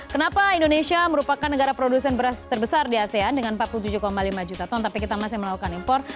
kenapa indonesia merupakan negara produsen beras terbesar di asean dengan empat puluh tujuh lima juta ton tapi kita masih melakukan impor